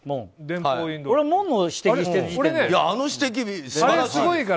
あの指摘、素晴らしい。